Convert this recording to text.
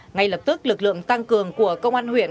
ngay lập tức lực lượng tăng cường của công an huyện